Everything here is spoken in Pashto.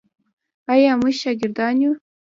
آیا موږ شاکران یو؟